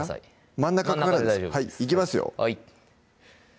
真ん中で大丈夫ですいきますよ